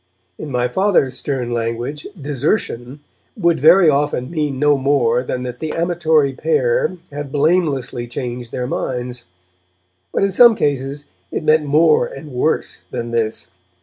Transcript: In my Father's stern language, 'desertion' would very often mean no more than that the amatory pair had blamelessly changed their minds; but in some cases it meant more and worse than this.